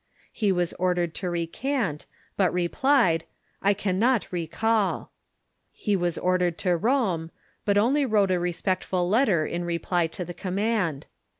He was ordered to recant, but replied, "I cannot re call." He was ordered to Rome, but only wrote; a respectful letter in reply to the command.